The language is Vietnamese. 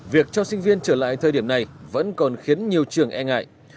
việc cho sinh viên trở lại thời điểm này vẫn còn khiến nhiều trường e ngại